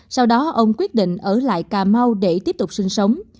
sau đó ông quyết định ở lại cà mau để tiếp tục sinh sống